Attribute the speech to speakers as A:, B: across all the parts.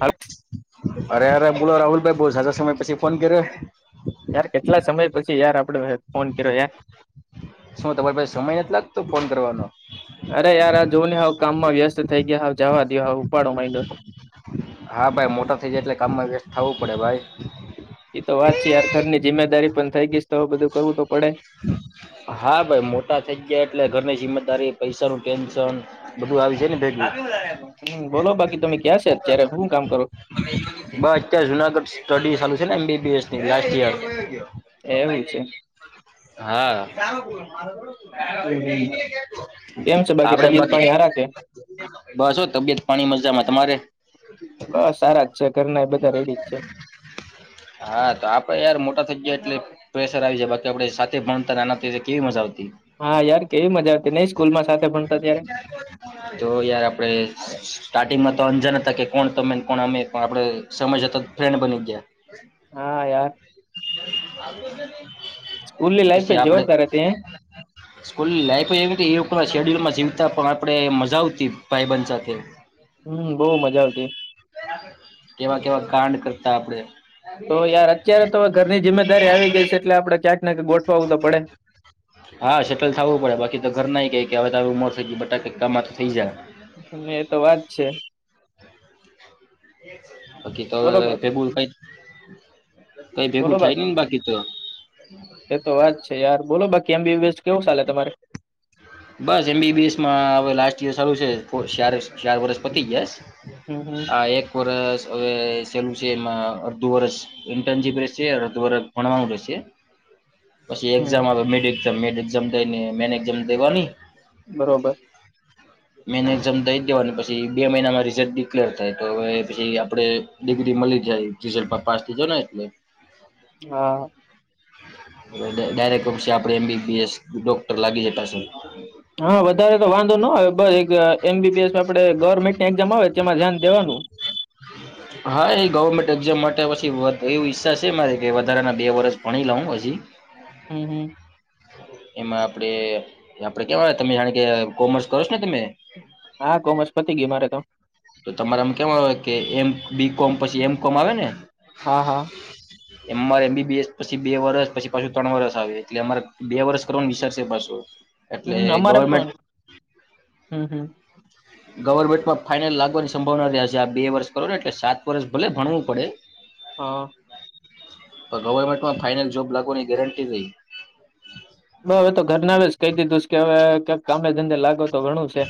A: હા.
B: અરે અરે બોલો રાહુલ ભાઈ! બહુ સરસ સમય પછી ફોન કર્યો
A: યાર કેટલા સમય પછી યાર આપડે ફોન કર્યો યાર!
B: શું તમારી પાસે સમય નથ લાગતો ફોન કરવાનો?
A: અરે યાર આ જોવું ને હ કામમાં વ્યસ્ત થઈ ગ્યા, હવે જાવા દ્યો હાવ. ઉપાડો માંડ્યો છે.
B: હા ભાઈ મોટા થઇ જાય એટલે કામમાં વ્યસ્ત થાવું પડે ભાઈ.
A: એ તો વાત છે યાર, ઘર ની જિમ્મેદારી પણ થઈ ગઈશ તો હવે બધું કરવું તો પડે
B: હા ભાઈ મોટા થઈ ગ્યા એટલે ઘરની જિમ્મેદારી, પૈસા નું ટેન્શન બધું આવી જાય ને ભેગુ.
A: હમ બોલો બાકી તમે ક્યાં છે અત્યારે હું કામ કરો
B: બસ ત્યારે જુનાગઢ સ્ટડી ચાલુ છે ને એમ બી બી એસ એ લોક યાર.
A: એવું છે
B: હા
A: હમ કેમ છે બાકી
B: આપડે બ
A: તબિયત પાણી હારા કે
B: બસ હો તબેત પાણી મજામાં. તમારે?
A: બસ સારા જ છે, ઘરના એ બધા રેડી જ છે.
B: હા તો આપડે યાર મોટા થ એટલે પ્રેશર આવી જાય બાકી આપે સાથે ભણતા નાના કેવી મજા આવ તી,
A: હા યાર કેવી મજા આવતી નઈ સ્કૂલમાં સાથે ભણતા ત્યારે
B: તો યાર આપડે સ્ટાર્ટિંગમાં તો અંજન હતા કે કોણ તમે ને કોણ અમેં, પણ આપણે સમય જતા ફ્રેન્ડ બની ગ્યા.
A: હા યાર સ્કૂલની લાઈફ એ
B: પછી આપડે
A: જોરદાર હતી હે
B: સ્કૂલની લાઈફ એવી એ ઉપ [unintelligible] શેડ્યુલમાં જીવતા પણ આપડે મજા આવતી ભાઈબંધ સાથે.
A: હમ બહુ મજા આવતી
B: કેવા કેવા કાંડ કરતા આપડે.
A: તો યાર અત્યારે તો હવે ઘરની જિમ્મેદારી આવી ગઈ સે એટલે આપડે ક્યાંક ને ક્યાંક ગોઠવાવું તો પડે
B: હા સેટલ થાવું પડે બાકી તો ઘર નાઈ કઈ કે હવે તારી ઉંમર થઈ ગી બટાકે કમાંતો થઈ જા.
A: અને એ તો વાત છે
B: બાકી
A: બોલો
B: તવે તેબુલ કઈ? કઈ
A: બોલો
B: ભેગું થાય
A: બા
B: નઈ ને બાકી તો
A: એ તો વાત છે યાર બોલો બા કેમ એમ બી બી એસ કેવું ચાલે તમારે?
B: બસ એમ બી બી એસ માં હવે લાસ્ટ યર સરું છે ફો સ્યારસ ચાર વર્ષ પતી ગ્યાસ.
A: હમ હમ
B: આ એક વરસ હવે સેલું છે એમાં અડધું વરષ ઇન્ટર્નશીપ રેહશે, અડધું વર્ષ ભણવાનું રેહશે. પછી
A: હમ
B: એક્ઝામ આવે મેડ એક્ઝામ મેડ એક્ઝામ કરીને મેન એક્ઝામ
A: બરોબર.
B: મેને એક્ઝામ દઈ દેવાની પછી બે મહિનામાં રિઝલ્ટ ડિક્લેર થાય, તોવે પછી આપડે ડીગ્રી મલી જાય રિઝલ્ટ પ પાસ થી જાય ને એટલે.
A: હા.
B: ડાયરેક્ટ છે આપણે એમબીબીએસ ડોક્ટર લાગી જતાશે.
A: હા વધારે તો વાંધો નો આવે બસ એક એમબીબીએસ માં આપડે ગવર્મેન્ટ ની એક્ઝામ આવે તેમાં ધ્યાન દેવાનું. [unintelligible]
B: હા એ ગવર્મેન્ટ એક્ઝામ માટે પછી તો એવું ઈચ્છા છે મારે કે વધારેના બે વરસ ભણી લઉ હજી.
A: હમ હમ.
B: એમાં આપણેે આપડે કેવાય તમે જાણે કે કોમર્સ કરો છો ને તમે
A: હા કોમર્સ પતી ગયું મારે તો.
B: તો તમારામ કેવા આવે કે એમ્ બી કોમ પછી એમ કોમ આવે ને.
A: હા હા
B: એમ મારે એમ બી બીસ પછી બે વરષ પછી પાછું ત્રણ વરષ આવે એટલે અમારે બે વર્ષ કરવાનું વિસાર્ પાસો એટલે
A: હમ અમારે પણ
B: ગવર્મેન્ટ
A: હમ હમ
B: ગવર્મેન્ટમાં ફાઇનલ લાગ વાની સંભાવના રહ્યા છે આ બે વર્ષ કરોને એટલે સાત વર્ષ ભલે ભણવું પડે
A: હા.
B: ગવર્મેન્ટમાં ફાઈનલ જોબ લાગવાની ગેરટી રહી.
A: બ હવે તો ઘર ના આવે કહી દીધુંસ કે હવે કઇક કામે ધંધે લાગો તો ઘણું છે.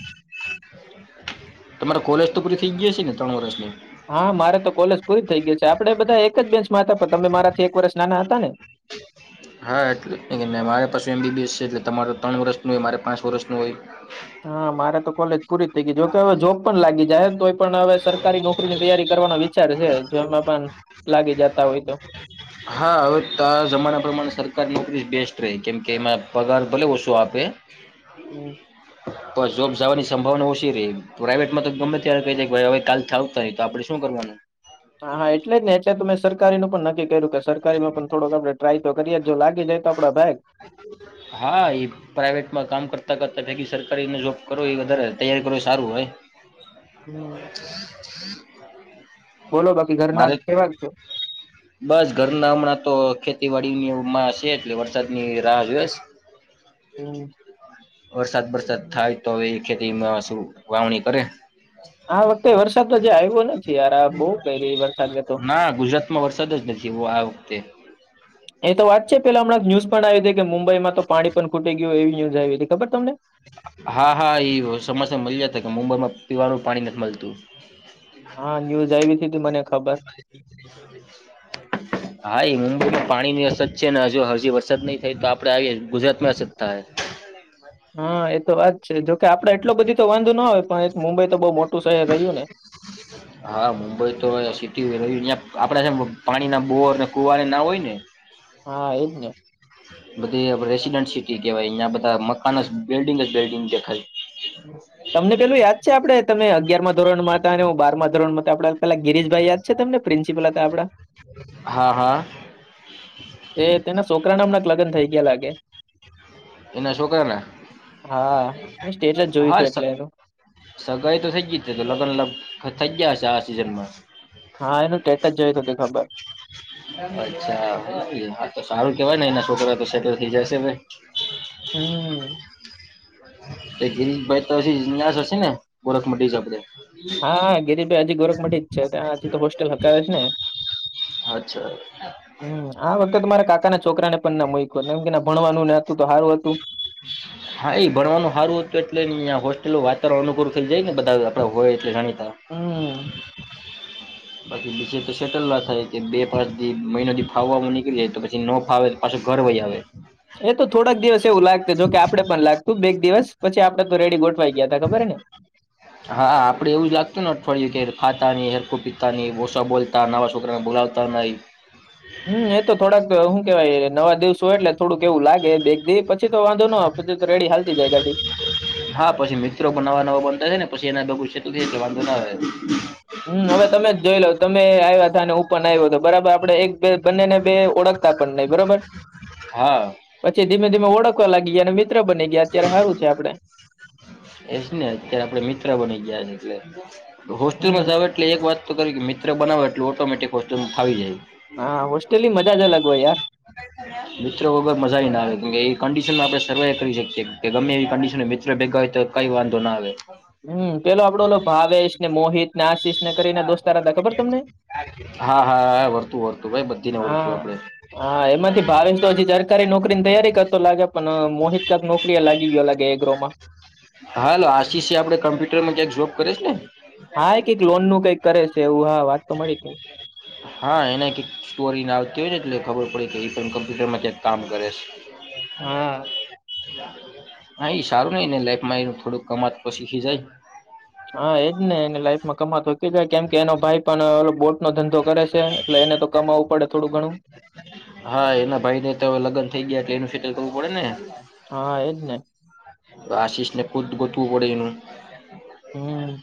B: તમારા કોલેજ તો પૂરી થઈ ગઈ. હશે ને ત્રણ વર્ષની
A: હા મારે તો કોલેજ પૂરી થઇ ગઈ છે આપડે બધા એક એક જ બેંચમાં હતા પણ તમે મારાથી એક વર્ષ નાના હતા ને.
B: હા એટલે જ ન મારે પાસે એમબીબએસ છે એટલે તમારે ત્રણ વર્ષનું હોય મારે પાંચ વર્ષનું હોય.
A: હા મારે તો કોલેજ પૂરી થઇ ગઈ જોકે હવે જોબ પણ લાગી જાયને તોઈ પણ હવે સરકારી નોકરીની તૈયારી કરી વિચાર છે જોમાં પણ લે
B: હા હવે ત જમાના પ્રમાણે સરકાર નોકરી બેસ્ટ રહે કેમ કે એમાં પગાર ભલે ઓછું આપે
A: હમ.
B: પર જોબ જવાની સંભાવના ઓછી રે પ્રાઇવેટ માં તો ગમે ત્યારે કય દે કે હવે કાલ થી આવતા નહી તો આપણે શું કરવાનું?
A: હા હા એટલે જ ને એટલે ત મેં સરકારી નું પણ નક્કી કર્યું કે સરકારીમાં પણ થોડોક આપડે ટ્રાય તો કરીએ જ જો લાગ?
B: હા એ પ્રાઈવેટમાં કામ કરતા કર તા ભેગી સરકારીને જોબ કરો એ વધારે તૈયારી કરો એ સારું હોય.
A: હમ.
B: હ હ
A: બોલો બાકી ઘરના
B: મારે
A: કેવા છો
B: બસ ઘરના હમણાં તો ખે ખેતીવાડીનીમાં છે એટલે વરસાદની રાહ જોયસ?
A: હમ.
B: વરસાદ વરસાદ થાય તોવે એ ખેતીમાં શું વાવણી કરે?
A: આ વખતે વરસાદ તો જે આવ્યો નથી યાર આ બહુ કઈ રહી વરસાદ તો
B: ના ગુજરાતમાં વરસાદ જ નથી આ વખતે
A: એ તો વાત છે પેલા હમણાં ન્યુઝ પણ આવી હતી કે મુંબઈમાં તો પાણી પણ ખૂટી ગયુંય એવી ન્યુઝ આવી હતી ખબર તમને?
B: હા હા એ સમસ્યા મળી જતા કે મુંબઈમાં પીવાનું પાણી નથી મળતું.
A: હા ન્યુઝ આવી તી મને? ખબર
B: હા એ મુંબઈમાં પાણી ની અસત છે ને? જો હજી વરસાદ નહી થાય તો આપડે આય ગુજરાતમાં આસકતા હે
A: હા એતો વાત છે જોકે આપડે એટલો બધી તો વાંધો ના હોય પણ મુંબઈ તો બઉુ મોટું શહેર રહ્યું ને. હ
B: હા મુંબઈ તો સિટીય [unintelligible] ન્યા આપડા હે ન પાણી ના બોર ને કુવા ના હોય ને.
A: હા એજ ને.
B: બધી રેસીડેન્ટ સિટી કેવાય અયિયાં બધા મકાન જ બિલ્ડિંગ જ બિલ્ડિંગ દેખાય
A: તમને પેલું યાદ છે આપડે તમે અગિયાર માં ધોરણ માં હતા અને બાર ધોરણ માં હતા આપડે પેલા ગિરીશભાઈ યાદ છે તમને પ્રિન્સિપલ હતા આપડા?
B: હા હા
A: એ તેના છોકરા નામનાક લગ્ન થઈ ગયા લાગે
B: એના છોકરાના
A: હા મે સ્ટેજ જ જોયું
B: હા
A: હતું એટલે
B: સ-
A: એનું
B: સગાઈ તો થઇ ગ. ઈ છે તો લગ્ન લગ થઈ ગયા હ છે આ સિઝનમાં
A: હા એનું કેટ જ જોયું હત તે ખબર
B: અચ્છા હા તો સારું કેવાયને એના શો કરવા તો સેટલ થઈ જશે ભાઈ.
A: હમ
B: ગિરશભાઈ તો હ્યાશ હશે ને ગોરખ મ આપડે
A: હાા ગિરીભાઈ હજી ગોરખમઢી જ છે ત્યાં હજી તો હોસ્ટેલ હક જ ને?
B: અચ્છા
A: હમ આ વખતે તમારા કાકા ના છોકરાને પણ ના મમ કે ના ભણવાનું ના
B: હા એ ભણવાનું સારું હતું એટલે ન હોસ્ટેલો વાત ત અનકૂળ થઈ જાય ને બધા આપણે હોય એ--ટ જાણી
A: હા
B: પછી બીજ તો સેટલ ના થાય કે બે પાચ મહિનોથી ફાવવામાં નીકળી જાય તો પછી ન ફાવે તો પાછ ઘરવય આવે
A: એ તો થોડાક દિવસ એવું લાગું જો કે આપડે પણ લાગતું બે દિવસ પછી આપડે તો રેડી ગોઠવાઈ ગયા હતા ખબર ને
B: હા આપડે એવું જ લાગતું ને અઠવાડિયું કે ખાતા હેરકો પિતાની ભોષા બોલતા નવા છોકરાને બોલાવતા નહી.
A: હમ એ તો થોડાક હું કેવાય નવા દિવસ હોય એટલે થોડુંક એવું લાગે બે દિવ પછી તો વાંધો ન આવે પછી તો રેડી હાલતી જાય ગાડી
B: હા પછી મિત્રો પણ નવા નવા બનતા છે ને? પછી એુ છે તો થ વાંધો ના
A: હમ હવે તમે જ જોઈ લોાવ તમે આવ્યા હતાા અને ઓપન આવ્યો હતો બરાબર આપડે એક બે બંનેને ઓળખતા પણ નહી બરોબર
B: હા
A: પછી ધીમે ધીમે ઓળખવા લાગી અને બની ગયા અત્યારે સારું છે આપણે.
B: એજ ને અત્યારે આપડે મિત્ર બની ગયા છે એટલે હોસ્ટેલ માં
A: હમ
B: જ આવે એટલે એક વાત તો કર કે બનાવો એટલ ઓટોમેટિક હોસ્સ્ટ્યુમ થાવીાય
A: હા હોસ્ટેલની મજા જ અલગ હોય યાર.
B: મિત્રો વગર મજા આવી ના આવે કે એ કંડિશનમાં આપણે સર્વાઈવ કરી શકીએ કે ગમે એવી કંડિશન મિત્રો ભેગા કઈ વાંધો ના આવે.
A: હમ પેલો આપડો ન ભાવેશ ને મોહિત ને આશિષ.
B: હા હા વર્તું વર્તું ભાઈ બધ
A: હા હા એમાંથી ભાવિેશ તો હજી સરકારી નોકરી ની તૈયારી કરતો લાગે પણ મોહિત ક નોકરી લાગી ગયો લાગે ગ્રોમાં
B: હાલ આશિષી આપડે કોમ્પ્યુટરમાં ક્યાંક જોબ કરે છે ને?
A: શું કઈક કરે છે. એવું હા વાત તો મળીતી.
B: હા એને કક સ્ટોરી ના આવતી હોય ને એટલે ખબર પડી કે એ પણ કમ્પ્યુરમાં ક્યાંક કામ કરે છે.
A: હા.
B: હા એ સારું નહ એ લાઈફમાં એનું થોડુંક કમાત તો શીખી જાય.
A: હા એજ ને એને લાઈફમાં કમા થકી જાય. કેમ કે એનો ભાઈ પણ બોટ નો ધંધો કરે છે. એટલે એને તો કમાવવું પડે થોડું ઘણું
B: હા એના ભાઈ ને તો લગ્ન થઈ ગયા. એટલે એનું સેટલ કરવું પડે ને.
A: હા એજ નને.
B: આશિષને ખુદ ગોતું પડેનું.
A: હમ્મ.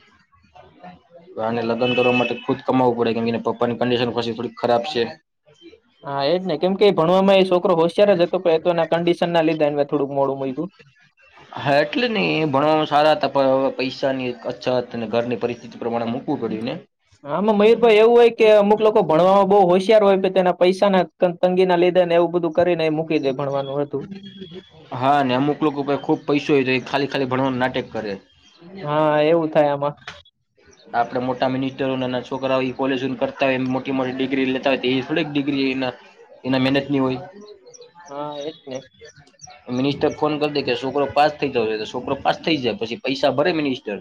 B: ને લગ્ન કરવા માટે ખુદ કમાવું પડે કેમ પપ્પાની કંડિશની થોડી ખરાબ છે.
A: હા એજ નહી કેમ કે ભણવામાં એ છોકરો હો સર જ તો એ તોના કંડિશન ના લીધે એને થોડુંક મોડું મૂક્યું.
B: હા એટલે નહી એ ભણવામાં સારા હતા. પણ હવે પૈસાની અછત અને ઘરની પરિસ્થિતિ પ્રમાણે મૂકવું પડ્યું ને
A: હામાં મયુરભાઈ એવું હોય કે અમુક લોકો ભણવામાં બહુ હોશિયાર હોય તેના પૈસા ના તંગી ના લીધને એવું બધું કરીને એ મૂકી દે ભણવાનું હતું
B: હા ને અમુક લોકો બધા ખુબ પૈસો ખાલી-ખાલી ભણવાનું નાટક કરે.
A: હા એવું થાય આમાં
B: આપણે મોટા મિનિસ્ટરો નાના છોકરાઓ ઇ કોલેજ કરતાય હોય એમ મોટ મોટી ડિગ્રી લેતા હોય તો એ થોડીક ડિગ્રી એના મહેનત ની હોય.
A: હા એ જ ને.
B: મિનિસ્ટર ફોન કર દે કે છોકરો પાસ થઈ જવો જોઈએ તો છોકરો પાસ થયા જાય પછી પૈસા ભરે મિનિસ્ટર.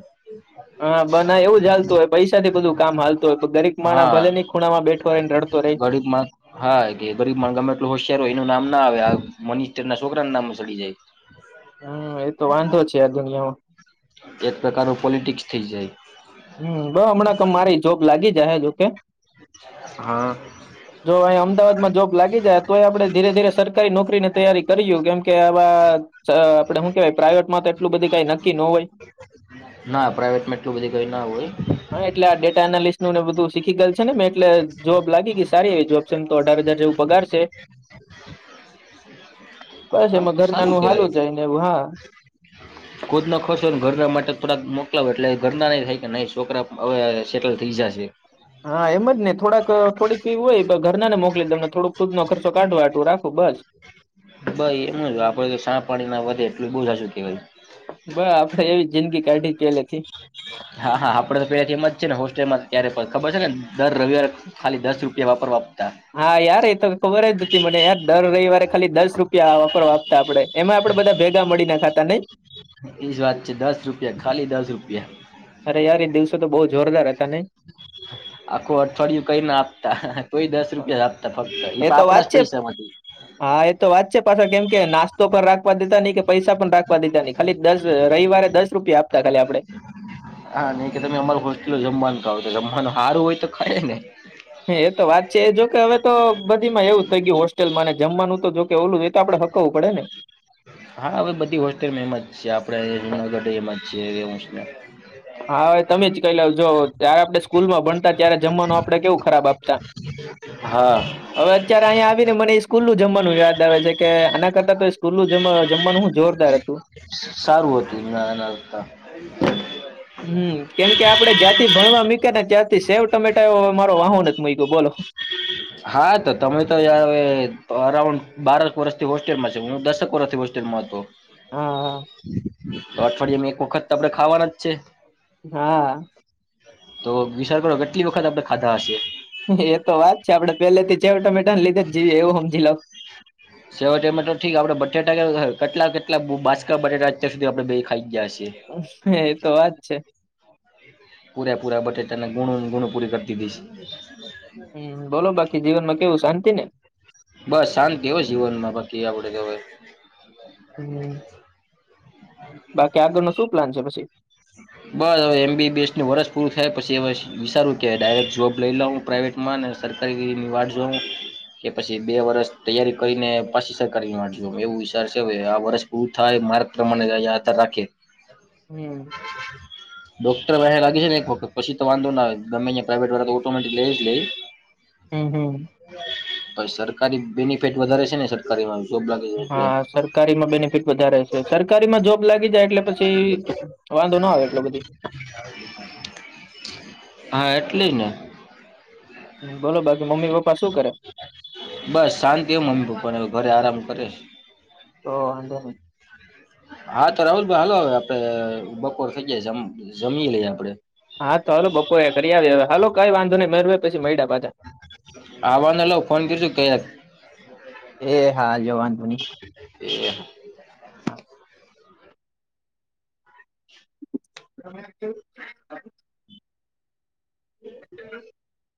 A: [inaudible] હા બ ના એવું જ હાલતું હોય પૈસા થી બધું કામ હાલતું હોય ગરીબ માણહ ભલે ની ખૂણામાં બેઠો હોય ને રડતો રહે.
B: ગરીમ માણ હા ગરીબ માણ ગમે એટલું હોશિયાર હોય એનું નામ ના આવે આ મનીસટર ના છોકરા નામ સડી જાય.
A: હમ્મ એતો વાંધો છે. આ દુનિયામાં.
B: એક પ્રકારનું પોલિટિક્સ થઈ જાય.
A: હમ્મ બ હમણાં મારી જોબ લાગી જાહે જોકે.
B: હા.
A: જો અહીં અમદાવાદ માં જોબ લાગી જાય તો એ આપડણે ધીરે-ધીરે સરકારી નોકરી ની તૈયારી કરીયુ કેમ કે આવા આપડે શું કેવાય પ્રાઈવેટમાં તો એટલું બધી કઈ નક્કી ન હોય.
B: ના પ્રાઈઇવેટ માં એટલું બધી કઈ ના હોય
A: હા એટલે આ ડેટા એનાલિસ્ટ નું બધું શીખી ગયેલ છે ને મેં એટલે જોબ લાગી ગઈ સારી એવી જોબ છે એમ તો અઢાર હજાર જેવું પગાર છે. [inaudible] બસ
B: હા
A: એમાં
B: તો
A: ઘર
B: સારું
A: નાનું હાલું
B: કેવાય.
A: જાય ને એવું. હા
B: નો ખર્ચો ઘરના માટે થોડાક મોકલા ઘરના નહી થાય કે નહી છોકરા હવે સેટલ થઈ જાશે.
A: હા એમ જ ને થોડાક થોડીક ફી હોય ઘરના ને મોકલી દવ અને થોડૂક ટૂંકમાં ખર્ચો કાઢવા હાટુ રાખ ખુબ જ.
B: ભાઈ એમનું આપડે શા પાણી ના વધે એટલું બઉુ સાચું કેવાય
A: બ આપડે એવી જિંદગી કાઢી પેલેથી.
B: હા હા આપડે તો એમ જ છે ને હોસ્ટેલમાં થી કયારે ખબર છે ને દર રવિવારે ખાલી દસ રૂપિયા વાપરવા આપતા
A: હા યાર એ તો ખબર જ હતી મને યાર દર રવિવારે ખાલી દસ રૂપિયા વાપરો આપતા આપડે એમાં પણ બધા ભેગા મળી ને ખાતા નય.
B: એજ વાત છે દસ રૂપિયા ખાલી દસ રૂપિયા.
A: અરે યાર દિવસો તો બહુ જોરદાર હતા. નઈ
B: આખું અઠવાડિયું કઈ ના આપતા તોઈ દસ રૂપિયા આપતા ફક્ત એ
A: તો
B: આપણા
A: વાત
B: જ
A: છે
B: પૈસા માંથી.
A: હા એ તો વાત છે પાછા કેમ કે નાસ્તો પણ રાખવા દેતા નય.. પૈસા પણ રાખવા દીધા નહી ખાલી દસ રવિવારે દસ રૂપિયા આપતા ખાલી આપડે.
B: હા નહી કે તમે અમારુ હોસ્ટેલનું જમવાનું ખાવ તો જમવાનું સારું હોય તો ખાઇ ને.
A: હ એ તો વાત છે એ જો કે હવે તો બધી એવું થઈ ગયું હોસ્ટેલમાંને જમવાનું તો જો કે ઓલું એ આપડે હકવું પડે ને.
B: હા હવે બધી હોસ્ટેલ એમ જ છે આપડણે
A: હ,
B: જુનાગઢ એમ જ છે એવું ને
A: હા અવે તમે જ કય લાવજો. ત્યારે આપણે સ્કૂલમાં ભણતા ત્યારે જમવાનું આપડણે કેવું ખરાબ આપતા.
B: હા
A: હવે અત્યારે અહીયા આવી ને મને સ્કૂલ નું જમવાનું યાદ આવે છે કે આના કરતા તો સ્કૂલ નું જ જમવાનું હું જોરદાર હતું.
B: સારું હતું નાના
A: હમ કેમ કે આપડે જ્યાંથી ભણવા મુક્યા ને ત્યાંથી સેવ ટમેટા યે મારો વાહો નથી મક્યો બોલો.
B: હા તો તમે તો યાર અરાઉન્ડ બારક વર્ષથી હોસ્ટેલમાં છે હું દસક વર્ષથી હોસ્ટેલ. મા હતો
A: હા
B: તો અઠવાડિયેમાં એક વખત. આપણે ખાવાના જ છે
A: હા હા.
B: તો વિચાર કરો કેટલી વખત આપડણે ખાધા હશે
A: એ તો વાત છે આપડણે પેલે થી ચવ ટમેટા ને લીધે જીએ એવું સમજી લાવ
B: સેવાટેમેટો ઠીક આપડે બટેાટા કે કેટલા કેટલા બાજકા બટાટા અત્યાર સુધી આપણે બે ખાઈ જ ગયા હી
A: હ એ તો વાત છે
B: પૂરા પૂરા બટેટાને ગુણુંને ગુણું પૂરી કરતી દીશ
A: હમ બોલો બાકી જીવનમાં કેવું શાંતિ ને
B: બસ શાંતિ હો જીવનમાં બાકી આપડ તોવે
A: હમ બાકી આગળ ન શું પ્લાન છે પછી
B: બસ હવે એમબીબીએસું વર્ષ પૂરું થાય પછી હવે વિચારવું કે ડાયરેક્ટ જોબ લઈ લાવું પ્રાઇવેટ માં સરકારી વારઝ કે પછી બે વર્ષ તૈયારી કરીને પાછી સરકારી માંડજો એવું વિચાર છે આ વર્ષ પૂરું થાય માર્ગ પ્રમાણે આત્ર રાખે
A: હમ
B: ડોક્ટર વા લાગે છે ને એક ફક્ત પછી તો વાંધો ના ગમેં પ્રાઇવેટ વાળા તો ઓટોમેટિક લઈ જ લઈ
A: હમ હમ
B: સરકારી બેનિફિટ વધારે છે ને સરકારી માં
A: હા સરકારીમાં બેનિફિટ વધારે છે સરકારીમાં જોબ લાગી જાય એટલે પછી વાંધો ના આવે એટલો બધી
B: હા એટલી ને
A: બધી બોલો બાકી મમ્મી પપ્પા શું કરે
B: બસ શાંતિ એ મમ્મી પપ્પાને ઘરે આરામ કરે
A: તો અંધ
B: હા તો રાહુલભાઈ હાલ હવે આપડે બપોર થઇ ગયા જમી લઈ આપડે
A: હા તો હલો બપો એ કરી આવે હવે હાલલો કઈ વાંધો નઈ મેરવે પછી મળ
B: આવવાનો લાવ ફોન કરશુ કયા
A: એ હાલ જોવાંધું નહી
B: [inaudible]
A: હા. [unintelligible] [unintelligible]